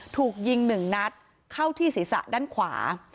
ถูกยิง๑นัดเข้าที่ศีรษะด้านขวา